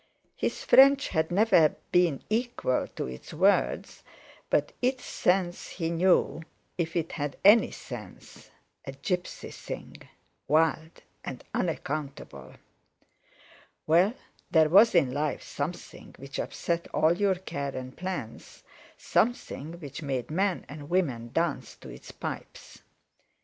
His French had never been equal to its words, but its sense he knew, if it had any sense, a gipsy thing—wild and unaccountable. Well, there was in life something which upset all your care and plans—something which made men and women dance to its pipes.